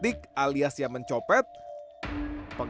tidak ada yang menolong